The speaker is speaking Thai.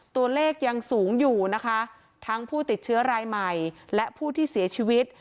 ตัวเลขยังสูงอยู่นะคะทั้งผู้ติดเชื้อรายใหม่และผู้ที่เสียชีวิต